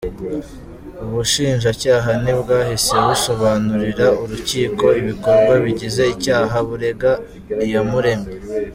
Ubushinjacyaha ntibwahise busobanurira urukiko ibikorwa bigize icyaha burega Iyamuremye.